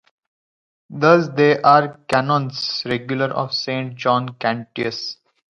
Thus they are the Canons Regular of Saint John Cantius.